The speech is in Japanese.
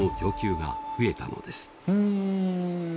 うん。